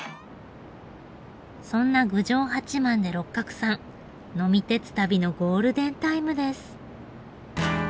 そんな郡上八幡で六角さん呑み鉄旅のゴールデンタイムです。